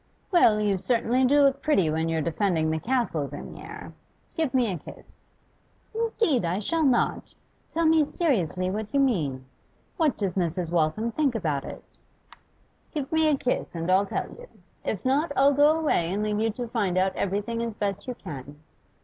'Well, you certainly do look pretty when you're defending the castles in the air. Give me a kiss.' 'Indeed, I shall not. Tell me seriously what you mean. What does Mrs. Waltham think about it?' 'Give me a kiss, and I'll tell you. If not, I'll go away and leave you to find out everything as best you can.